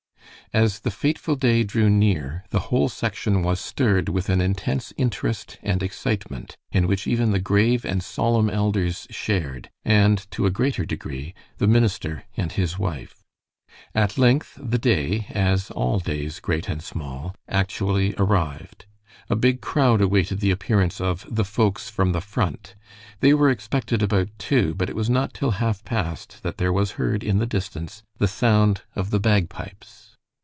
As the fateful day drew near the whole section was stirred with an intense interest and excitement, in which even the grave and solemn elders shared, and to a greater degree, the minister and his wife. At length the day, as all days great and small, actually arrived. A big crowd awaited the appearance of "the folks from the Front." They were expected about two, but it was not till half past that there was heard in the distance the sound of the bagpipes.